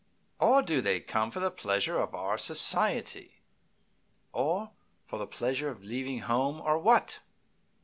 Or do they come for the pleasure of our society, or for the pleasure of leaving home, or what?